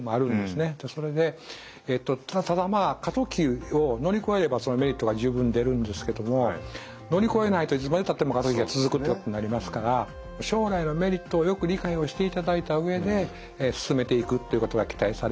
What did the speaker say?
ただ過渡期を乗り越えればメリットが十分出るんですけれども乗り越えないといつまでたっても過渡期が続くということになりますから将来のメリットをよく理解をしていただいた上で進めていくっていうことが期待されます。